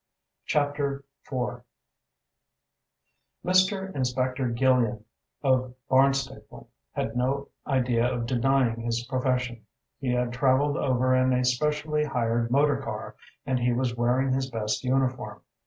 CHAPTER IV Mr Inspector Gillian of Barnstaple had no idea of denying his profession. He had travelled over in a specially hired motor car, and he was wearing his best uniform.